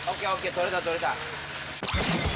取れた取れた。